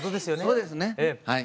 そうですね。